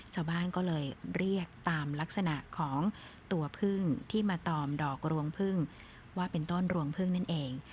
ชาวบ้านก็เลยเรียกตามลักษณะของตัวพึ่งที่มาตอมดอกรวงพึ่งว่าเป็นต้นรวงพึ่งนั่นเอง